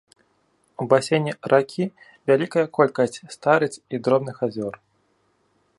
У басейне ракі вялікая колькасць старыц і дробных азёр.